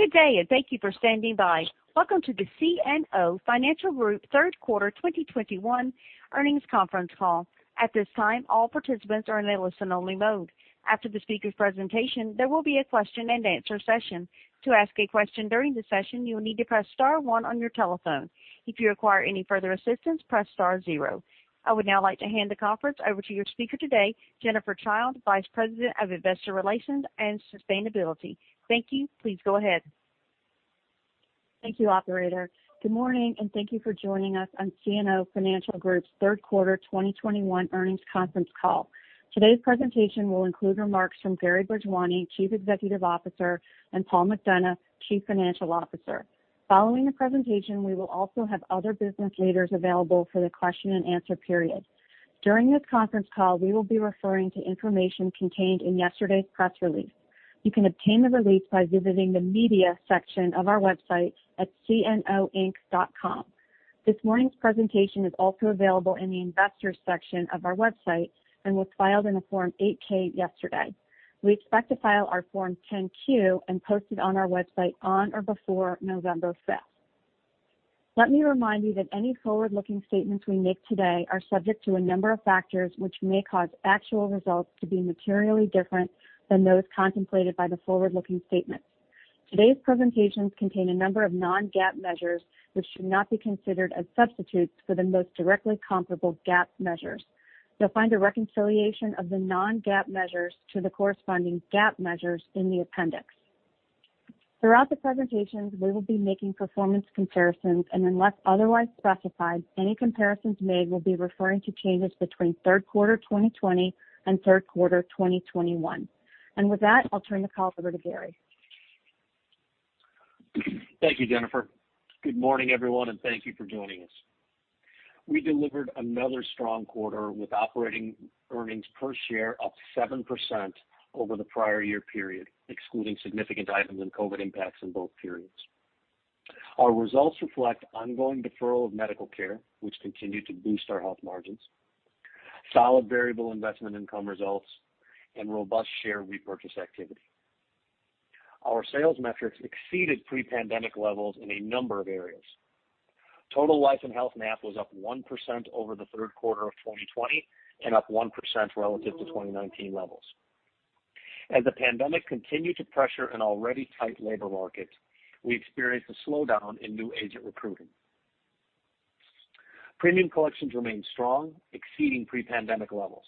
Good day. Thank you for standing by. Welcome to the CNO Financial Group third quarter 2021 earnings conference call. At this time, all participants are in a listen only mode. After the speaker's presentation, there will be a question and answer session. To ask a question during the session, you will need to press star one on your telephone. If you require any further assistance, press star zero. I would now like to hand the conference over to your speaker today, Jennifer Childe, Vice President of Investor Relations and Sustainability. Thank you. Please go ahead. Thank you, operator. Good morning. Thank you for joining us on CNO Financial Group's third quarter 2021 earnings conference call. Today's presentation will include remarks from Gary Bhojwani, Chief Executive Officer, and Paul McDonough, Chief Financial Officer. Following the presentation, we will also have other business leaders available for the question and answer period. During this conference call, we will be referring to information contained in yesterday's press release. You can obtain the release by visiting the media section of our website at cnoinc.com. This morning's presentation is also available in the investors section of our website and was filed in a Form 8-K yesterday. We expect to file our Form 10-Q and post it on our website on or before November 5th. Let me remind you that any forward-looking statements we make today are subject to a number of factors which may cause actual results to be materially different than those contemplated by the forward-looking statements. Today's presentations contain a number of non-GAAP measures which should not be considered as substitutes for the most directly comparable GAAP measures. You'll find a reconciliation of the non-GAAP measures to the corresponding GAAP measures in the appendix. Throughout the presentations, we will be making performance comparisons. Unless otherwise specified, any comparisons made will be referring to changes between third quarter 2020 and third quarter 2021. With that, I'll turn the call over to Gary. Thank you, Jennifer. Good morning, everyone. Thank you for joining us. We delivered another strong quarter with operating earnings per share up 7% over the prior year period, excluding significant items and COVID impacts in both periods. Our results reflect ongoing deferral of medical care, which continued to boost our health margins, solid variable investment income results, and robust share repurchase activity. Our sales metrics exceeded pre-pandemic levels in a number of areas. Total life and health NAP was up 1% over the third quarter of 2020 and up 1% relative to 2019 levels. As the pandemic continued to pressure an already tight labor market, we experienced a slowdown in new agent recruiting. Premium collections remained strong, exceeding pre-pandemic levels.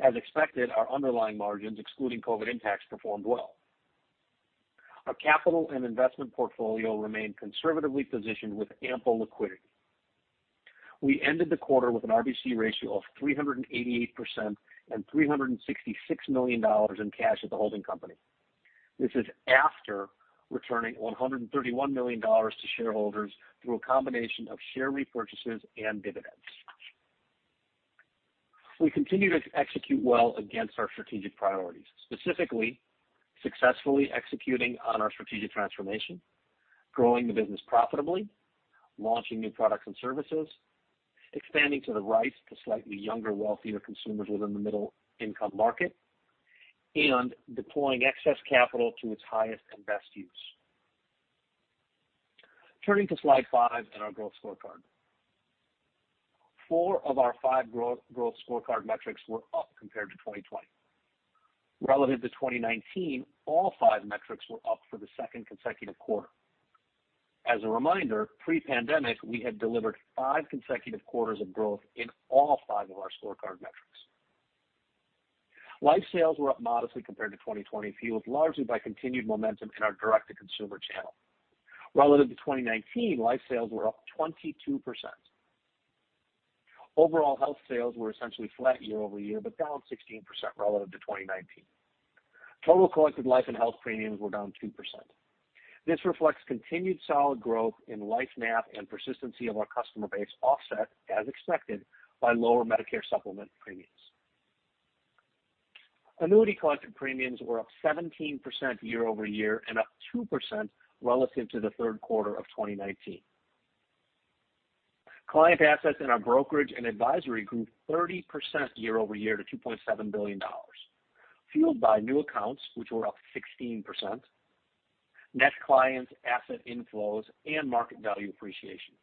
As expected, our underlying margins, excluding COVID impacts, performed well. Our capital and investment portfolio remained conservatively positioned with ample liquidity. We ended the quarter with an RBC ratio of 388% and $366 million in cash at the holding company. This is after returning $131 million to shareholders through a combination of share repurchases and dividends. We continue to execute well against our strategic priorities, specifically successfully executing on our strategic transformation, growing the business profitably, launching new products and services, expanding to the right to slightly younger, wealthier consumers within the middle income market, and deploying excess capital to its highest and best use. Turning to slide five and our growth scorecard. Four of our five growth scorecard metrics were up compared to 2020. Relative to 2019, all five metrics were up for the second consecutive quarter. As a reminder, pre-pandemic, we had delivered five consecutive quarters of growth in all five of our scorecard metrics. Life sales were up modestly compared to 2020, fueled largely by continued momentum in our direct-to-consumer channel. Relative to 2019, life sales were up 22%. Overall health sales were essentially flat year-over-year, but down 16% relative to 2019. Total collected life and health premiums were down 2%. This reflects continued solid growth in life NAP and persistency of our customer base offset, as expected, by lower Medicare Supplement premiums. Annuity collected premiums were up 17% year-over-year and up 2% relative to the third quarter of 2019. Client assets in our brokerage and advisory grew 30% year-over-year to $2.7 billion, fueled by new accounts, which were up 16%, net clients asset inflows, and market value appreciation.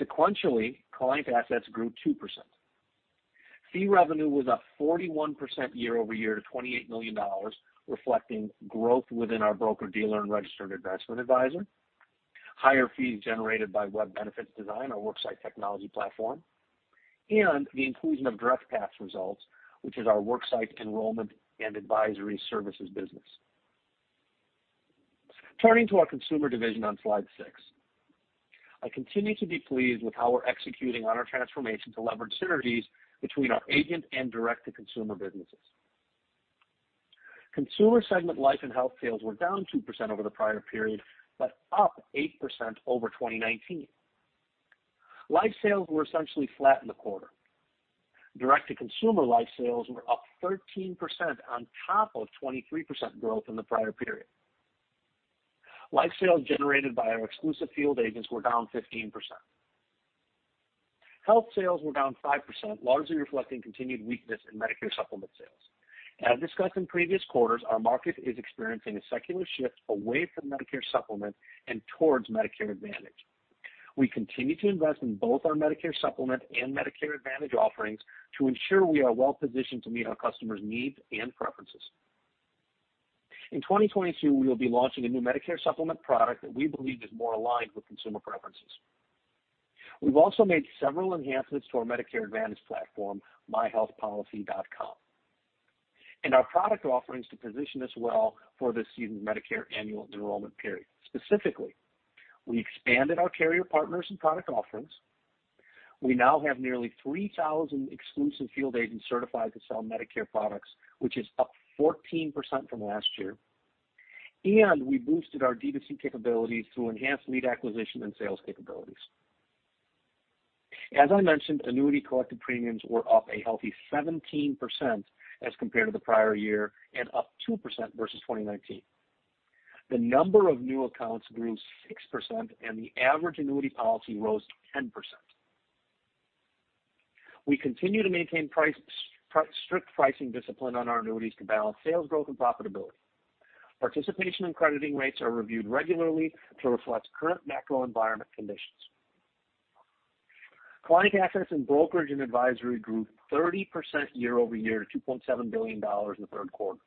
Sequentially, client assets grew 2%. Fee revenue was up 41% year-over-year to $28 million, reflecting growth within our broker-dealer and registered investment advisor, higher fees generated by Web Benefits Design, our worksite technology platform, and the inclusion of Direct Path's results, which is our worksite enrollment and advisory services business. Turning to our consumer division on slide six. I continue to be pleased with how we're executing on our transformation to leverage synergies between our agent and direct-to-consumer businesses. Consumer segment life and health sales were down 2% over the prior period, but up 8% over 2019. Life sales were essentially flat in the quarter. Direct-to-consumer life sales were up 13% on top of 23% growth in the prior period. Life sales generated by our exclusive field agents were down 15%. Health sales were down 5%, largely reflecting continued weakness in Medicare Supplement sales. As discussed in previous quarters, our market is experiencing a secular shift away from Medicare Supplement and towards Medicare Advantage. We continue to invest in both our Medicare Supplement and Medicare Advantage offerings to ensure we are well-positioned to meet our customers' needs and preferences. In 2022, we will be launching a new Medicare Supplement product that we believe is more aligned with consumer preferences. We've also made several enhancements to our Medicare Advantage platform, myhealthpolicy.com, and our product offerings to position us well for this year's Medicare annual enrollment period. Specifically, we expanded our carrier partners and product offerings. We now have nearly 3,000 exclusive field agents certified to sell Medicare products, which is up 14% from last year, and we boosted our D2C capabilities through enhanced lead acquisition and sales capabilities. As I mentioned, annuity collected premiums were up a healthy 17% as compared to the prior year and up 2% versus 2019. The number of new accounts grew 6%, and the average annuity policy rose 10%. We continue to maintain strict pricing discipline on our annuities to balance sales growth and profitability. Participation and crediting rates are reviewed regularly to reflect current macro environment conditions. Client assets in brokerage and advisory grew 30% year-over-year to $2.7 billion in the third quarter.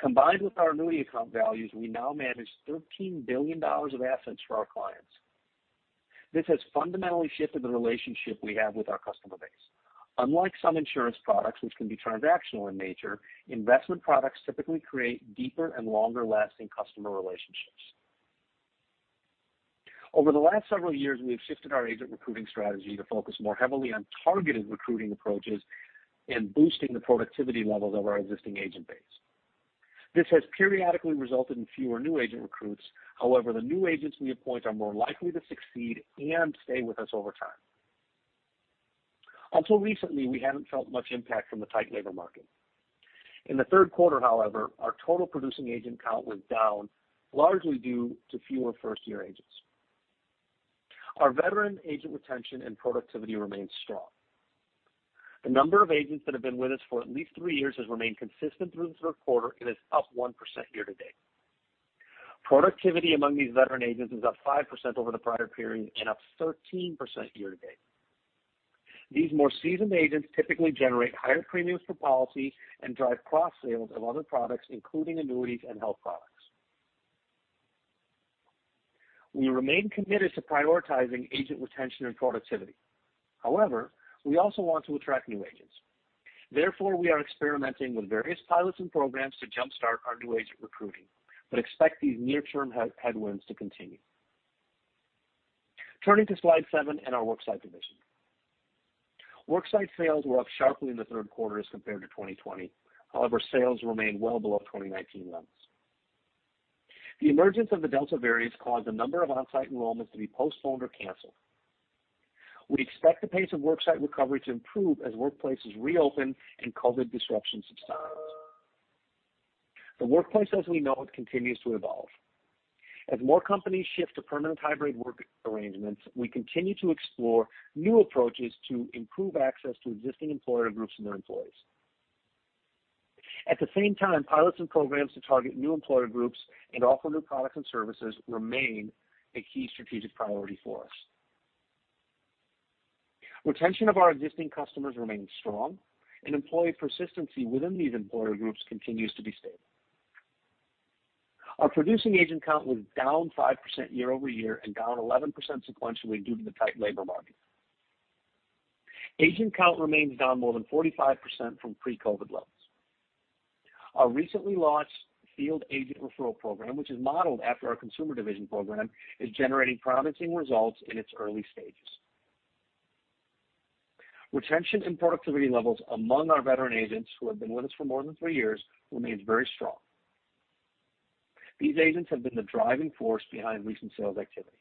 Combined with our annuity account values, we now manage $13 billion of assets for our clients. This has fundamentally shifted the relationship we have with our customer base. Unlike some insurance products, which can be transactional in nature, investment products typically create deeper and longer-lasting customer relationships. Over the last several years, we have shifted our agent recruiting strategy to focus more heavily on targeted recruiting approaches and boosting the productivity levels of our existing agent base. This has periodically resulted in fewer new agent recruits. However, the new agents we appoint are more likely to succeed and stay with us over time. Until recently, we haven't felt much impact from the tight labor market. In the third quarter, however, our total producing agent count was down, largely due to fewer first-year agents. Our veteran agent retention and productivity remains strong. The number of agents that have been with us for at least three years has remained consistent through the third quarter and is up 1% year-to-date. Productivity among these veteran agents is up 5% over the prior period and up 13% year-to-date. These more seasoned agents typically generate higher premiums per policy and drive cross-sales of other products, including annuities and health products. We remain committed to prioritizing agent retention and productivity. However, we also want to attract new agents. Therefore, we are experimenting with various pilots and programs to jumpstart our new agent recruiting. Expect these near-term headwinds to continue. Turning to Slide seven and our Worksite division. Worksite sales were up sharply in the third quarter as compared to 2020. However, sales remain well below 2019 levels. The emergence of the Delta variant has caused a number of on-site enrollments to be postponed or canceled. We expect the pace of worksite recovery to improve as workplaces reopen and COVID disruptions subside. The workplace as we know it continues to evolve. As more companies shift to permanent hybrid work arrangements, we continue to explore new approaches to improve access to existing employer groups and their employees. At the same time, pilots and programs to target new employer groups and offer new products and services remain a key strategic priority for us. Retention of our existing customers remains strong, and employee persistency within these employer groups continues to be stable. Our producing agent count was down 5% year-over-year and down 11% sequentially due to the tight labor market. Agent count remains down more than 45% from pre-COVID levels. Our recently launched field agent referral program, which is modeled after our consumer division program, is generating promising results in its early stages. Retention and productivity levels among our veteran agents who have been with us for more than three years remains very strong. These agents have been the driving force behind recent sales activity.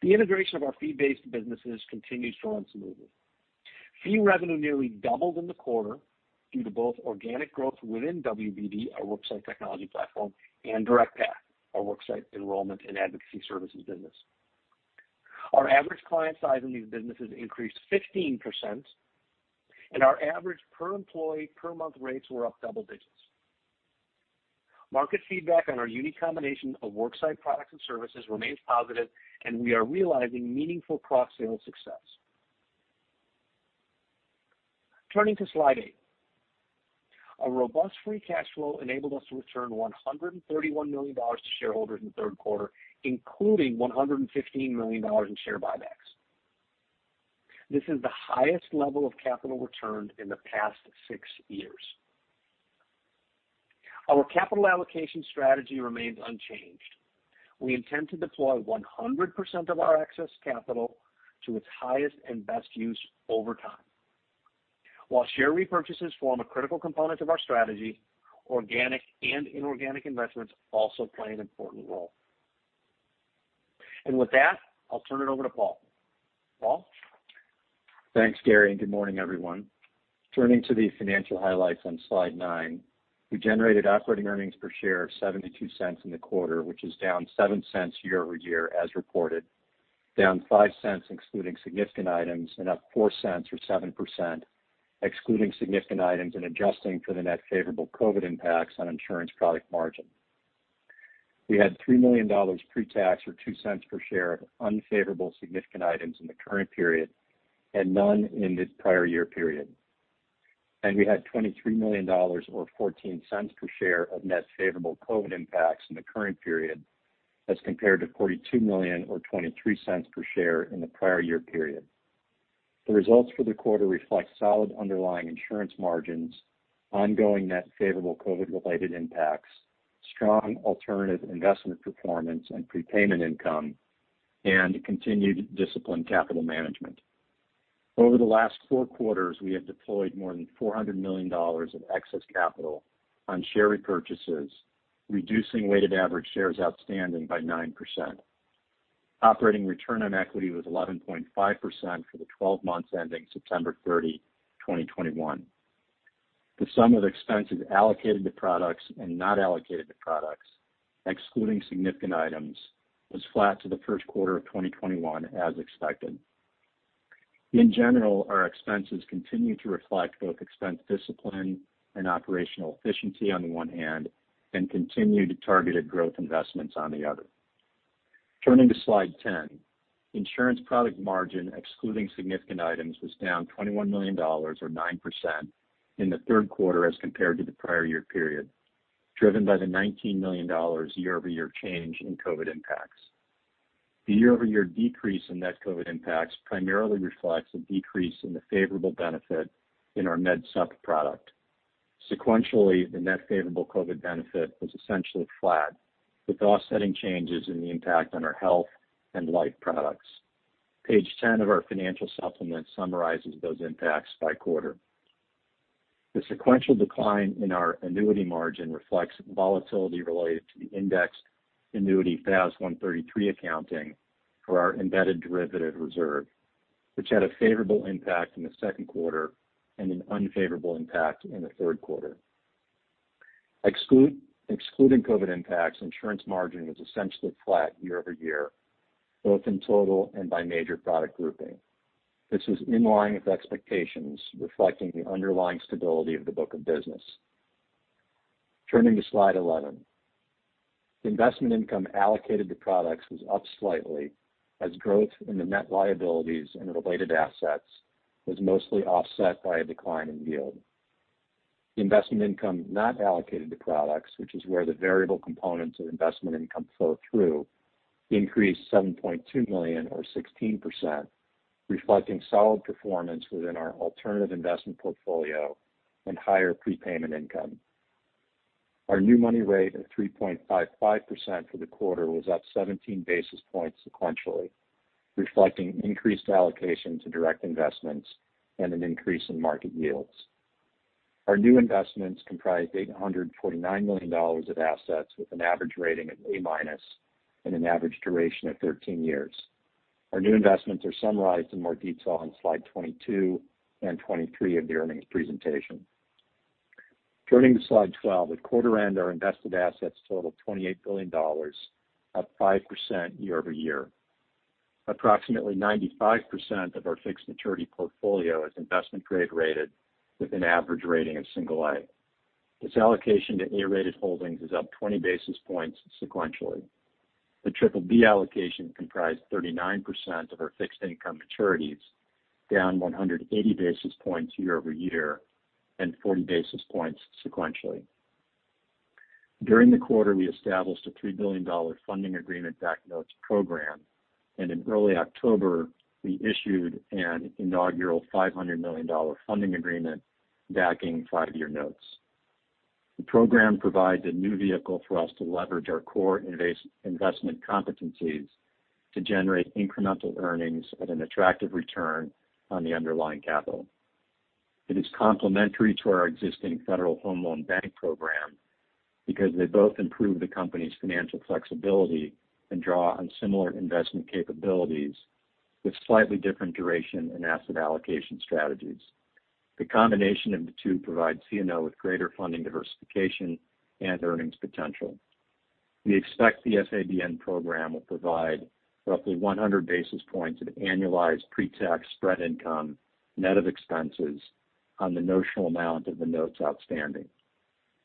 The integration of our fee-based businesses continues to run smoothly. Fee revenue nearly doubled in the quarter due to both organic growth within WBD, our worksite technology platform, and DirectPath, our worksite enrollment and advocacy services business. Our average client size in these businesses increased 15%, and our average per employee per month rates were up double digits. Market feedback on our unique combination of worksite products and services remains positive, and we are realizing meaningful cross-sale success. Turning to Slide 8. Our robust free cash flow enabled us to return $131 million to shareholders in the third quarter, including $115 million in share buybacks. This is the highest level of capital returned in the past six years. Our capital allocation strategy remains unchanged. We intend to deploy 100% of our excess capital to its highest and best use over time. While share repurchases form a critical component of our strategy, organic and inorganic investments also play an important role. With that, I'll turn it over to Paul. Paul? Thanks, Gary, and good morning, everyone. Turning to the financial highlights on Slide 9, we generated operating earnings per share of $0.72 in the quarter, which is down $0.07 year-over-year as reported, down $0.05 excluding significant items, and up $0.04 or 7% excluding significant items and adjusting for the net favorable COVID impacts on insurance product margin. We had $3 million pre-tax, or $0.02 per share of unfavorable significant items in the current period, and none in the prior year period. We had $23 million or $0.14 per share of net favorable COVID impacts in the current period as compared to $42 million or $0.23 per share in the prior year period. The results for the quarter reflect solid underlying insurance margins, ongoing net favorable COVID-related impacts, strong alternative investment performance and prepayment income, and continued disciplined capital management. Over the last four quarters, we have deployed more than $400 million of excess capital on share repurchases, reducing weighted average shares outstanding by 9%. Operating return on equity was 11.5% for the 12 months ending September 30, 2021. The sum of expenses allocated to products and not allocated to products, excluding significant items, was flat to the first quarter of 2021 as expected. In general, our expenses continue to reflect both expense discipline and operational efficiency on the one hand and continued targeted growth investments on the other. Turning to Slide 10, insurance product margin, excluding significant items, was down $21 million or 9% in the third quarter as compared to the prior year period, driven by the $19 million year-over-year change in COVID impacts. The year-over-year decrease in net COVID impacts primarily reflects a decrease in the favorable benefit in our MedSup product. Sequentially, the net favorable COVID benefit was essentially flat, with offsetting changes in the impact on our health and life products. Page 10 of our financial supplement summarizes those impacts by quarter. The sequential decline in our annuity margin reflects volatility related to the indexed annuity FAS 133 accounting for our embedded derivative reserve, which had a favorable impact in the second quarter and an unfavorable impact in the third quarter. Excluding COVID impacts, insurance margin was essentially flat year-over-year, both in total and by major product grouping. This was in line with expectations, reflecting the underlying stability of the book of business. Turning to slide 11. Investment income allocated to products was up slightly as growth in the net liabilities and related assets was mostly offset by a decline in yield. Investment income not allocated to products, which is where the variable components of investment income flow through, increased $7.2 million or 16%, reflecting solid performance within our alternative investment portfolio and higher prepayment income. Our new money rate of 3.55% for the quarter was up 17 basis points sequentially, reflecting increased allocation to direct investments and an increase in market yields. Our new investments comprised $849 million of assets with an average rating of A-minus and an average duration of 13 years. Our new investments are summarized in more detail on slide 22 and 23 of the earnings presentation. Turning to slide 12. At quarter end, our invested assets totaled $28 billion, up 5% year-over-year. Approximately 95% of our fixed maturity portfolio is investment grade rated with an average rating of single A. This allocation to A-rated holdings is up 20 basis points sequentially. The triple B allocation comprised 39% of our fixed income maturities, down 180 basis points year-over-year and 40 basis points sequentially. During the quarter, we established a $3 billion Funding Agreement-Backed Notes program, and in early October, we issued an inaugural $500 million funding agreement backing five-year notes. The program provides a new vehicle for us to leverage our core investment competencies to generate incremental earnings at an attractive return on the underlying capital. It is complementary to our existing Federal Home Loan Bank program because they both improve the company's financial flexibility and draw on similar investment capabilities with slightly different duration and asset allocation strategies. The combination of the two provides CNO with greater funding diversification and earnings potential. We expect the FABN program will provide roughly 100 basis points of annualized pre-tax spread income net of expenses on the notional amount of the notes outstanding.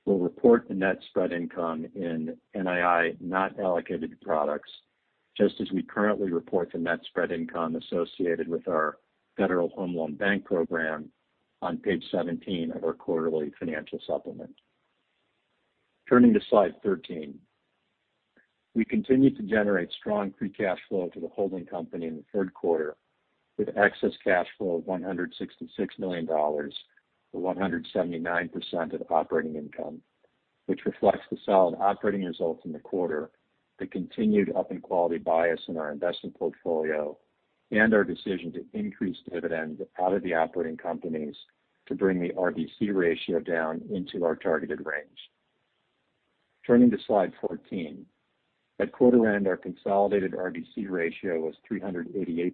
We'll report the net spread income in NII not allocated to products, just as we currently report the net spread income associated with our Federal Home Loan Bank program on page 17 of our quarterly financial supplement. Turning to slide 13. We continued to generate strong free cash flow to the holding company in the third quarter, with excess cash flow of $166 million or 179% of operating income, which reflects the solid operating results in the quarter, the continued up in quality bias in our investment portfolio, and our decision to increase dividends out of the operating companies to bring the RBC ratio down into our targeted range. Turning to slide 14. At quarter end, our consolidated RBC ratio was 388%,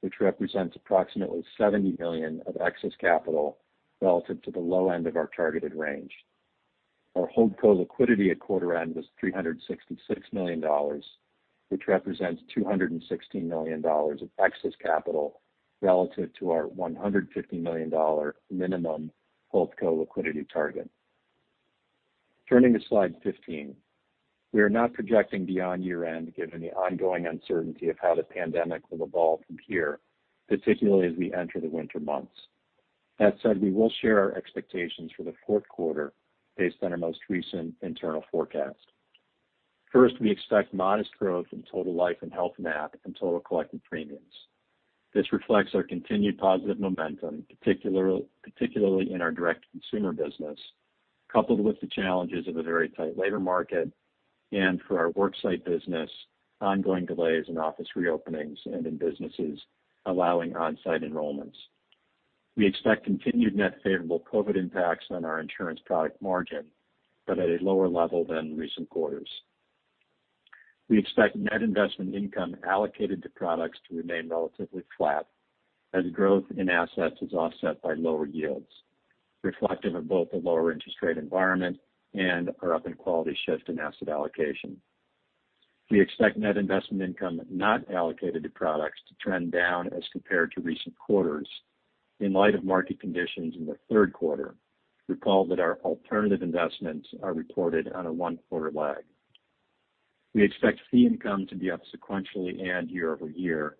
which represents approximately $70 million of excess capital relative to the low end of our targeted range. Our holdco liquidity at quarter end was $366 million, which represents $216 million of excess capital relative to our $150 million minimum holdco liquidity target. Turning to slide 15. We are not projecting beyond year-end, given the ongoing uncertainty of how the pandemic will evolve from here, particularly as we enter the winter months. That said, we will share our expectations for the fourth quarter based on our most recent internal forecast. First, we expect modest growth in total life and health NAP and total collected premiums. This reflects our continued positive momentum, particularly in our direct-to-consumer business, coupled with the challenges of a very tight labor market and for our worksite business, ongoing delays in office reopenings and in businesses allowing on-site enrollments. We expect continued net favorable COVID impacts on our insurance product margin, but at a lower level than recent quarters. We expect net investment income allocated to products to remain relatively flat as growth in assets is offset by lower yields, reflective of both the lower interest rate environment and our up-in-quality shift in asset allocation. We expect net investment income not allocated to products to trend down as compared to recent quarters in light of market conditions in the third quarter. Recall that our alternative investments are reported on a one-quarter lag. We expect fee income to be up sequentially and year-over-year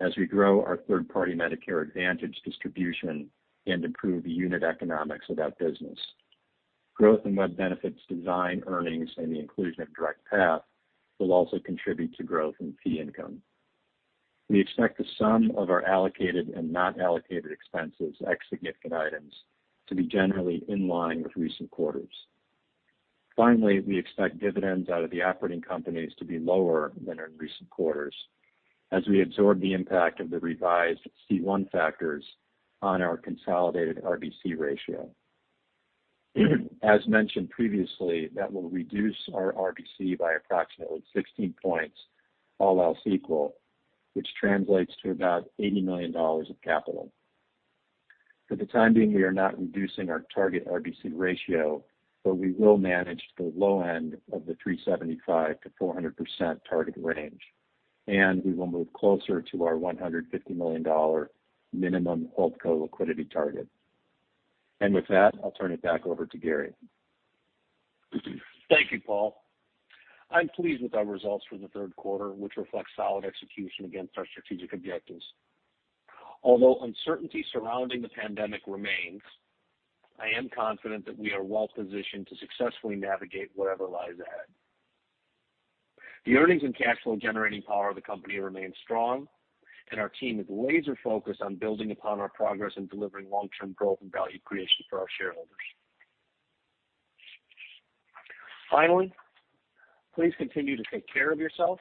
as we grow our third-party Medicare Advantage distribution and improve the unit economics of that business. Growth in Web Benefits Design earnings and the inclusion of Direct Path will also contribute to growth in fee income. We expect the sum of our allocated and not allocated expenses, ex significant items, to be generally in line with recent quarters. We expect dividends out of the operating companies to be lower than in recent quarters as we absorb the impact of the revised C1 factors on our consolidated RBC ratio. As mentioned previously, that will reduce our RBC by approximately 16 points, all else equal, which translates to about $80 million of capital. For the time being, we are not reducing our target RBC ratio, but we will manage the low end of the 375%-400% target range, and we will move closer to our $150 million minimum holdco liquidity target. With that, I'll turn it back over to Gary. Thank you, Paul. I'm pleased with our results for the third quarter, which reflects solid execution against our strategic objectives. Although uncertainty surrounding the pandemic remains, I am confident that we are well positioned to successfully navigate whatever lies ahead. The earnings and cash flow-generating power of the company remains strong, and our team is laser-focused on building upon our progress in delivering long-term growth and value creation for our shareholders. Finally, please continue to take care of yourself,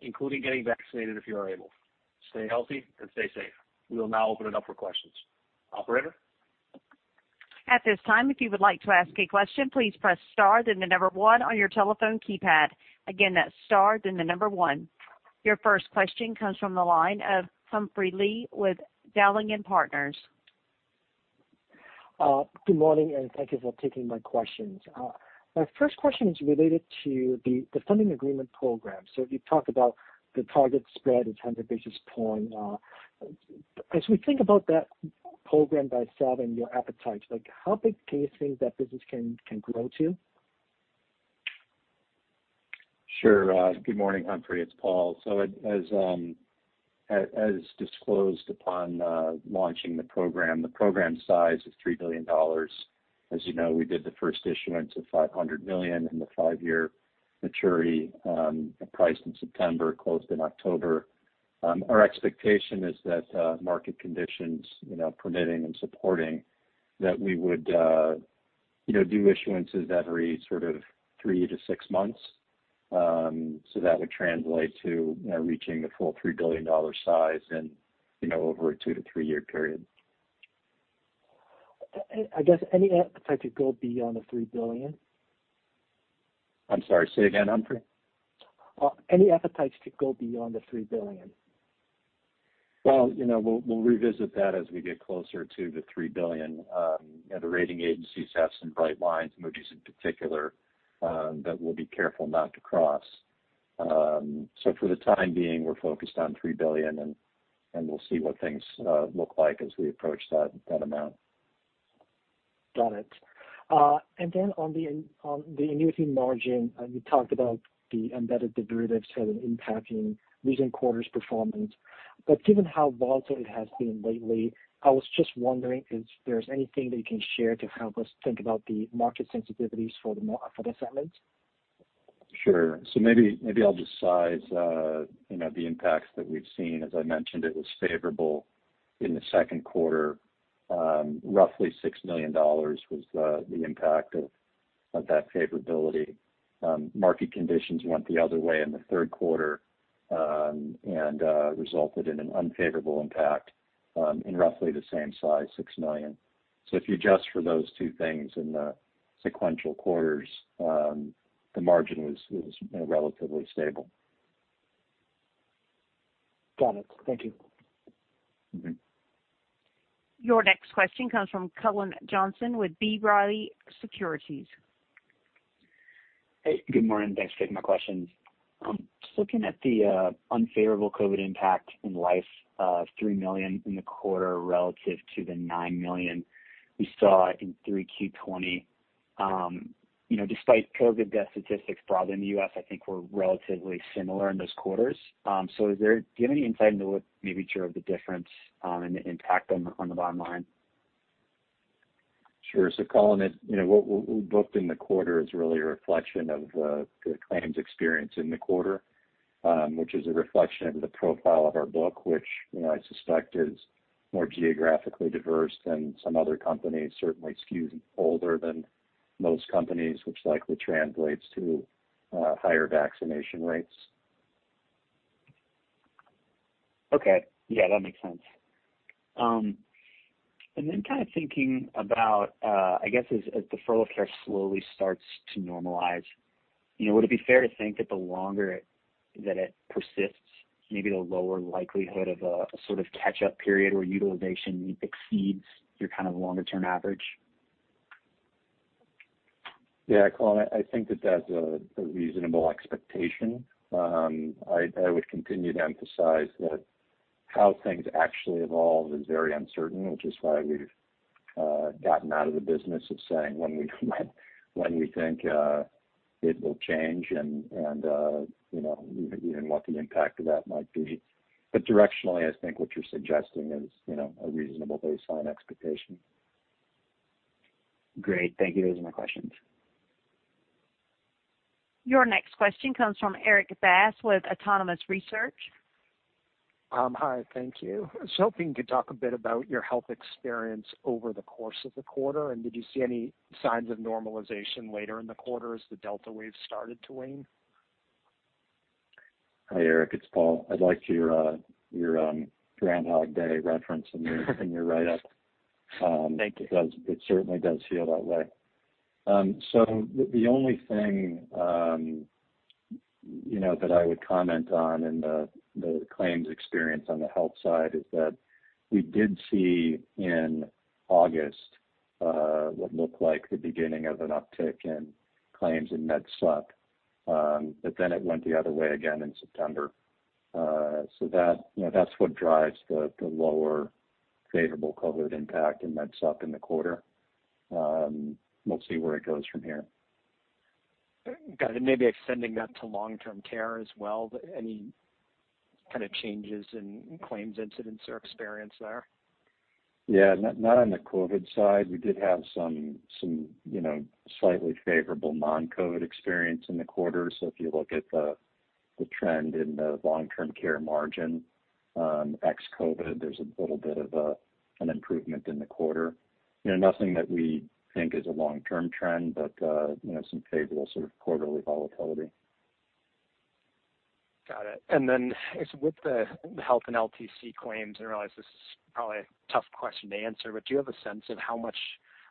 including getting vaccinated if you are able. Stay healthy and stay safe. We will now open it up for questions. Operator? At this time, if you would like to ask a question, please press star, then the number one on your telephone keypad. Again, that's star, then the number one. Your first question comes from the line of Humphrey Lee with Dowling & Partners. Good morning, and thank you for taking my questions. My first question is related to the funding agreement program. If you talk about the target spread is 100 basis points. As we think about that program by itself and your appetite, how big do you think that business can grow to? Sure. Good morning, Humphrey. It's Paul. As disclosed upon launching the program, the program size is $3 billion. As you know, we did the first issuance of $500 million in the five-year maturity, priced in September, closed in October. Our expectation is that market conditions permitting and supporting that we would do issuances every sort of three to six months. That would translate to reaching the full $3 billion size in over a two to three-year period. I guess any appetite to go beyond the $3 billion? I'm sorry, say again, Humphrey? Any appetite to go beyond the $3 billion? Well, we'll revisit that as we get closer to the $3 billion. The rating agencies have some bright lines, Moody's in particular, that we'll be careful not to cross. For the time being, we're focused on $3 billion, and we'll see what things look like as we approach that amount. Got it. On the annuity margin, you talked about the embedded derivatives kind of impacting recent quarters' performance. Given how volatile it has been lately, I was just wondering if there's anything that you can share to help us think about the market sensitivities for the settlement? Sure. Maybe I'll just size the impacts that we've seen. As I mentioned, it was favorable in the second quarter. Roughly $6 million was the impact of that favorability. Market conditions went the other way in the third quarter and resulted in an unfavorable impact. In roughly the same size, $6 million. If you adjust for those two things in the sequential quarters, the margin has been relatively stable. Got it. Thank you. Your next question comes from Cullen Johnson with B. Riley Securities. Good morning. Thanks for taking my questions. Just looking at the unfavorable COVID impact in life of $3 million in the quarter relative to the $9 million we saw in 3Q 2020. Despite COVID death statistics, probably in the U.S., I think we're relatively similar in those quarters. Do you have any insight into what may be the difference and the impact on the bottom line? Sure. Cullen, what we booked in the quarter is really a reflection of the claims experience in the quarter, which is a reflection of the profile of our book, which I suspect is more geographically diverse than some other companies, certainly skewed older than most companies, which likely translates to higher vaccination rates. Okay. Yeah, that makes sense. Kind of thinking about, I guess as the furlough related-care slowly starts to normalize, would it be fair to think that the longer that it persists, maybe the lower likelihood of a sort of catch-up period where utilization exceeds your kind of longer-term average? Yeah, Cullen, I think that that's a reasonable expectation. I would continue to emphasize that how things actually evolve is very uncertain, which is why we've gotten out of the business of saying when we think it will change and even what the impact of that might be. Directionally, I think what you're suggesting is a reasonable baseline expectation. Great. Thank you. Those are my questions. Your next question comes from Erik Bass with Autonomous Research. Hi, thank you. I was hoping you could talk a bit about your health experience over the course of the quarter, and did you see any signs of normalization later in the quarter as the Delta wave started to wane? Hi, Erik. It's Paul. I liked your Groundhog Day reference in your write-up. Thank you. It certainly does feel that way. The only thing that I would comment on in the claims experience on the health side is that we did see in August what looked like the beginning of an uptick in claims in MedSup, it went the other way again in September. That's what drives the lower favorable COVID impact in MedSup in the quarter. We'll see where it goes from here. Got it. Maybe extending that to long-term care as well, any kind of changes in claims incidents or experience there? Yeah, not on the COVID side. We did have some slightly favorable non-COVID experience in the quarter. If you look at the trend in the long-term care margin, ex-COVID, there's a little bit of an improvement in the quarter. Nothing that we think is a long-term trend, but some favorable sort of quarterly volatility. Got it. With the health and LTC claims, I realize this is probably a tough question to answer, but do you have a sense of how much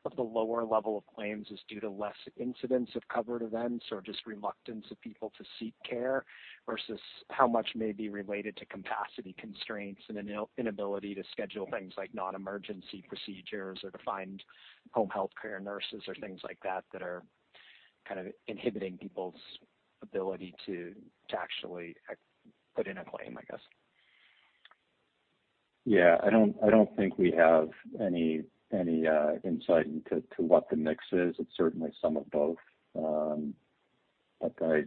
of the lower level of claims is due to less incidents of COVID events or just reluctance of people to seek care, versus how much may be related to capacity constraints and an inability to schedule things like non-emergency procedures or to find home health care nurses or things like that are kind of inhibiting people's ability to actually put in a claim, I guess? Yeah, I don't think we have any insight into what the mix is. It's certainly some of both. I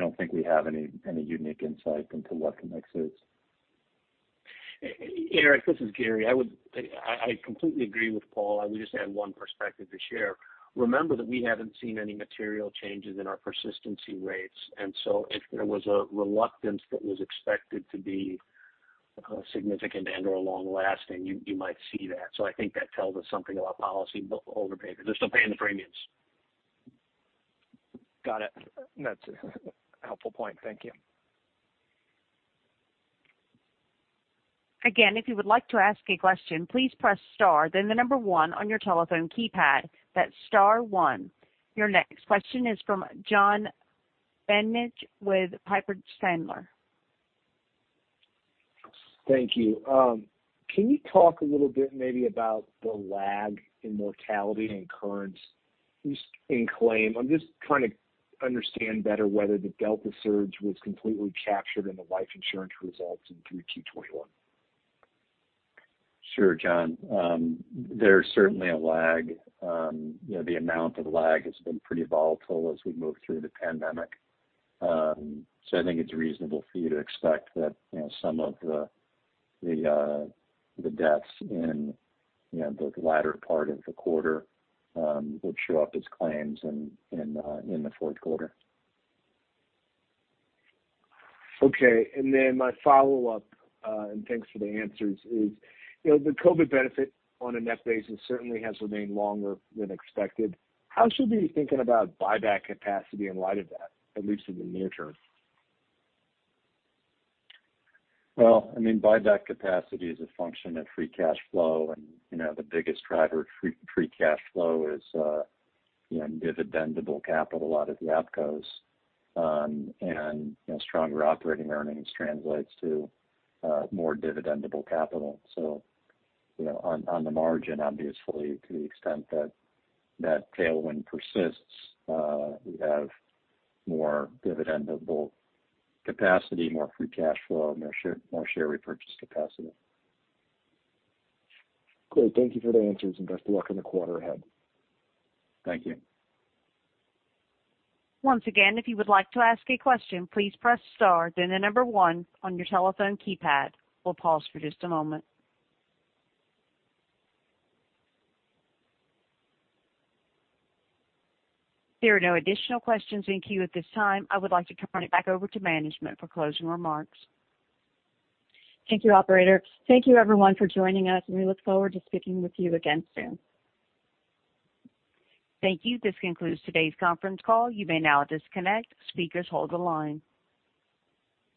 don't think we have any unique insight into what the mix is. Erik, this is Gary. I completely agree with Paul. I would just add one perspective to share. Remember that we haven't seen any material changes in our persistency rates, if there was a reluctance that was expected to be significant and/or long-lasting, you might see that. I think that tells us something about policy holder behavior. They're still paying the premiums. Got it. That's a helpful point. Thank you. Again, if you would like to ask a question, please press star, then the number one on your telephone keypad. That's star one. Your next question is from John Barnidge with Piper Sandler. Thank you. Can you talk a little bit maybe about the lag in mortality and occurrence in claim? I'm just trying to understand better whether the Delta surge was completely captured in the life insurance results in 3Q '21. Sure, John. There's certainly a lag. The amount of lag has been pretty volatile as we move through the pandemic. I think it's reasonable for you to expect that some of the deaths in the latter part of the quarter would show up as claims in the fourth quarter. Okay. My follow-up, and thanks for the answers, is the COVID benefit on a net basis certainly has remained longer than expected. How should we be thinking about buyback capacity in light of that, at least in the near term? Well, buyback capacity is a function of free cash flow, and the biggest driver of free cash flow is dividendable capital out of the opcos. Stronger operating earnings translates to more dividendable capital. On the margin, obviously, to the extent that that tailwind persists, we have more dividendable capacity, more free cash flow, more share repurchase capacity. Great. Thank you for the answers, best of luck in the quarter ahead. Thank you. Once again, if you would like to ask a question, please press star, the number one on your telephone keypad. We'll pause for just a moment. There are no additional questions in queue at this time. I would like to turn it back over to management for closing remarks. Thank you, operator. Thank you everyone for joining us, and we look forward to speaking with you again soon. Thank you. This concludes today's conference call. You may now disconnect. Speakers hold the line.